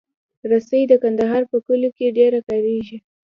رسۍ د کندهار په کلیو کې ډېره کارېږي.